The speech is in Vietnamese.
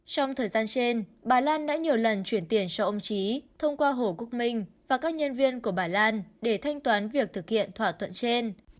trong thời gian trên bà lan đã nhiều lần chuyển tiền cho ông trí thông qua hồ quốc minh và các nhân viên của bà lan để thanh toán việc thực hiện thỏa thuận trên